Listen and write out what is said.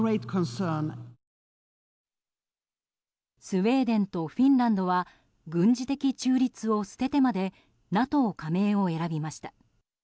スウェーデンとフィンランドは軍事的中立を捨ててまでＮＡＴＯ加盟を選びました。